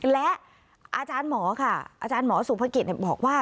และอาจารย์หมอค่ะอาจารย์หมอสูงภาคเกียร์บอกว่า